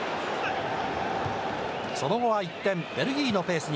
その後は一転、ベルギーのペースに。